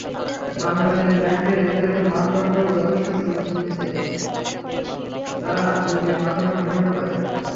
বাংলাদেশ ব্যাংকের নির্ধারিত মানদণ্ড যথেষ্ট সুচিন্তিত, তারা আন্তর্জাতিক মানদণ্ড অনুসরণ করে।